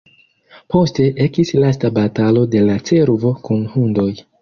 Poste ekis lasta batalo de la cervo kun hundoj.